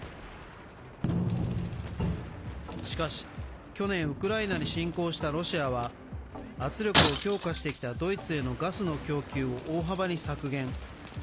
しかし、去年ウクライナに侵攻したロシアは圧力を強化してきたドイツへのガスの供給を大幅に削減。